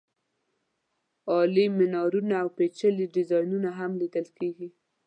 عالي مېنارونه او پېچلي ډیزاینونه هم لیدل کېږي.